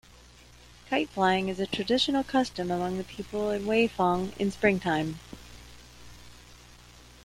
Kite flying is a traditional custom among the people in Weifang in spring time.